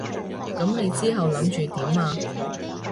噉你之後諗住點啊？